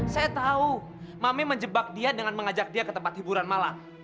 saya tahu mami menjebak dia dengan mengajak dia ke tempat hiburan malam